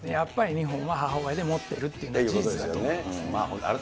日本は母親でもってるっていうのは事実だと思いますね。